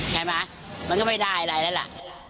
ใช่ไหมมันก็ไม่ได้อะไรแล้วล่ะ